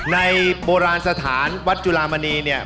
โบราณสถานวัดจุลามณีเนี่ย